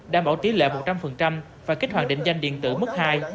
đảm bảo tí lệ một trăm linh và kích hoạt định danh điện tử mức hai